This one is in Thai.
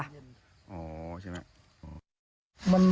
อ๋อใช่ไหม